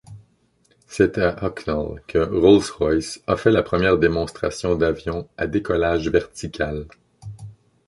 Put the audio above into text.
C'est à Hucknall que Rolls-Royce a fait la première démonstration d'avion à décollage vertical.